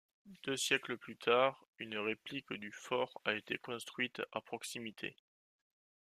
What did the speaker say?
Deux siècles plus tard, une réplique du fort a été construite à proximité.